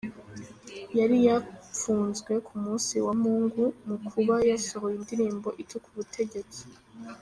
Yari yapfunzwe ku munsi wa Mungu mu kuba yasohoye indirimbo ituka ubutegetsi.